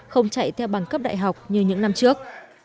không chạy theo bằng cấp đại học như những năm trước